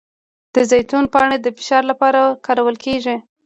د زیتون پاڼې د فشار لپاره کارول کیږي؟